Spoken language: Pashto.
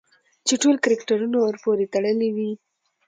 چې ټول کرکټرونه ورپورې تړلي وي